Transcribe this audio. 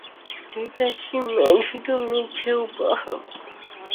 Later, she married Michael Bennahum.